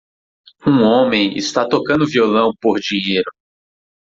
Um homem está tocando violão por dinheiro.